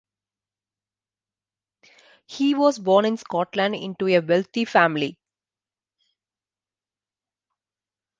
He was born in Scotland into a wealthy family.